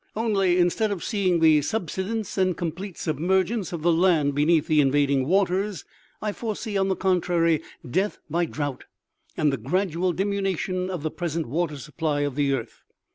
" Only, instead of seeing the subsidence and complete submergence of the land beneath the invading waters, I foresee, on the contrary, death by drouth, and the gradual diminution of the present water supply of the earth.